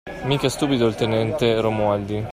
Mica stupido il tenente Romualdi!